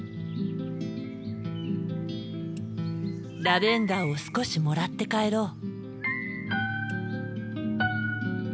ラベンダーを少しもらって帰ろう。